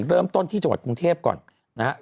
เริ่มต้นที่จังหวัดกรุงเทพก่อนนะครับ